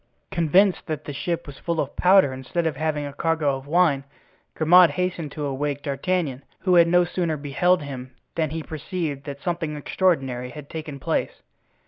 Convinced that the ship was full of powder instead of having a cargo of wine, Grimaud hastened to awake D'Artagnan, who had no sooner beheld him than he perceived that something extraordinary had taken place.